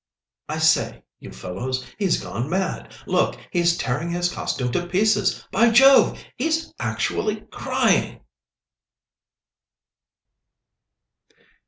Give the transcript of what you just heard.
I say, you fellows, he's gone mad! Look, he's tearing his costume to pieces! By Jove! he's actually crying."